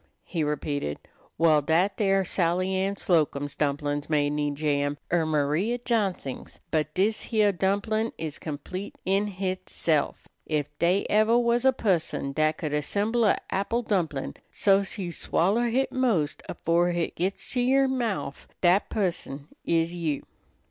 he repeated. "Well, dat dere Sally Ann Slocum's dumplin's may need jam, er Maria Johnsing's, but dis heah dumplin' is complete in hitself. Ef dey ever was a pusson dat could assemble a' apple dumplin' so's you swoller hit 'most afore hit gits to yer mouf, dat pusson is you."